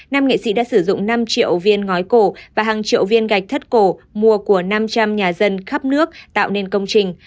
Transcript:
nam nghệ sĩ đã sử dụng năm triệu viên ngói cổ và hàng triệu viên gạch thất cổ mua của năm trăm linh nhà dân khắp nước tạo nên công trình